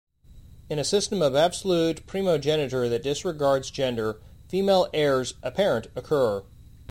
In a system of absolute primogeniture that disregards gender, female heirs apparent occur.